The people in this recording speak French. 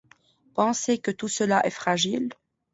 Pensez que tout cela est fragile.